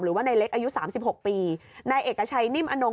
หรือว่าในเล็กอายุ๓๖ปีในเอกชัยเนิ่มอณง